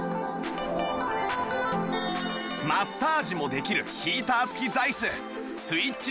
マッサージもできるヒーター付き座椅子スイッチ